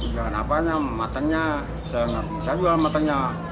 jualan apanya matangnya saya gak bisa jual matangnya